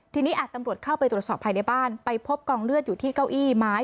ทีนี้อาจตำรวจเข้าไปตรวจสอบภายในบ้านไปพบกองเลือดอยู่ที่เก้าอี้ไม้